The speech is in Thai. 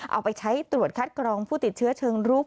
เอาไปใช้ตรวจคัดกรองผู้ติดเชื้อเชิงรุก